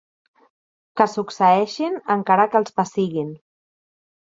Que succeeixen encara que els pessiguin.